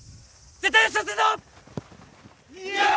絶対優勝するぞ！